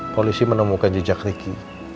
polisi menemukan jejak ricky